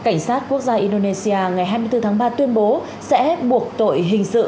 cảnh sát quốc gia indonesia ngày hai mươi bốn tháng ba tuyên bố sẽ buộc tội hình sự